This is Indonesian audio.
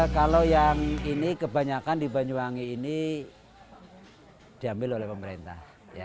kalau yang ini kebanyakan di banyuwangi ini diambil oleh pemerintah